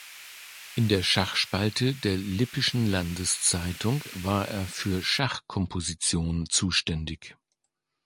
In der Schachspalte der Lippischen Landes-Zeitung war er für Schachkomposition zuständig.